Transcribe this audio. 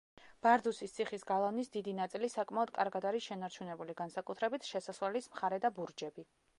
ბარდუსის ციხის გალავნის დიდი ნაწილი საკმაოდ კარგად არის შენარჩუნებული, განსაკუთრებით, შესასვლელის მხარე და ბურჯები.